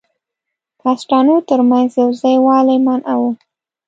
کاسټانو تر منځ یو ځای والی منع وو.